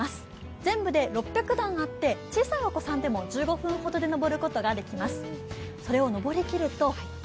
全部で６００段あって、小さいお子さんでも１５分ほどで上りきることができます。